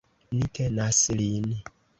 Ni tenas lin!